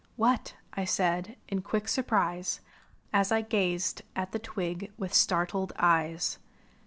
"What!" I said, in quick surprise. As I gazed at the twig with startled eyes.